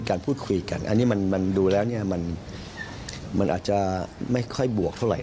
ครับ